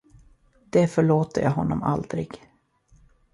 Det förlåter jag honom aldrig.